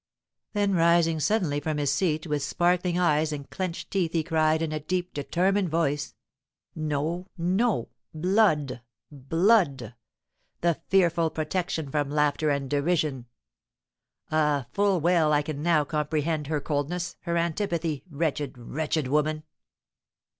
Then rising suddenly from his seat, with sparkling eyes and clenched teeth he cried, in a deep, determined voice, "No, no! Blood, blood! The fearful protection from laughter and derision. Ah, full well I can now comprehend her coldness, her antipathy, wretched, wretched woman!"